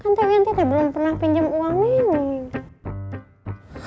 kan teh wianty teh belum pernah pinjam uang neneng